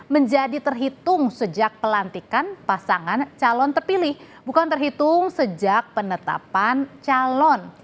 menjadi terhitung sejak pelantikan pasangan calon terpilih bukan terhitung sejak penetapan calon